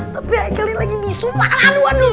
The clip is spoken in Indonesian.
tapi aikalin lagi bisum aduh aduh